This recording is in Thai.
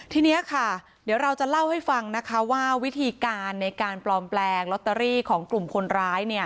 ทีนี้ค่ะเดี๋ยวเราจะเล่าให้ฟังนะคะว่าวิธีการในการปลอมแปลงลอตเตอรี่ของกลุ่มคนร้ายเนี่ย